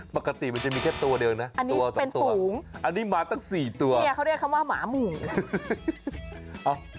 ปกติมันจะมีแค่ตัวเดียวนะตัวสองตัวอันนี้เป็นฝูงนี่เขาเรียกคำว่าหมาหมูอันนี้มาตั้งสี่ตัว